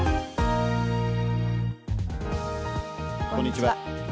こんにちは。